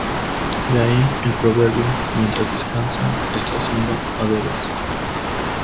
De ahí el proverbio: "mientras descansa está haciendo adobes".